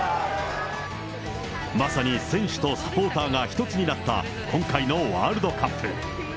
まさに選手とサポーターが一つになった、今回のワールドカップ。